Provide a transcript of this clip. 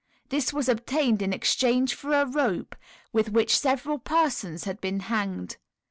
This was obtained in exchange for a rope with which several persons had been hanged.